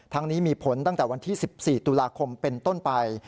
นี้มีผลตั้งแต่วันที่๑๔ตุลาคมเป็นต้นไป